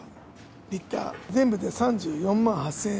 リッター、全部で３４万８０００円。